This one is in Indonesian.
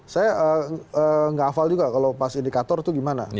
saya nggak hafal juga kalau pas indikator itu gimana